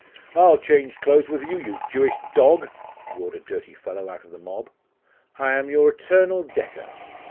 'I'll change clothes with you, you Jewish dog!' roared a dirty fellow out of the mob. 'I am your eternal debtor.